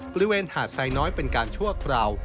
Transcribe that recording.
บริเวณหาดไซน้อยเป็นการชั่วคราว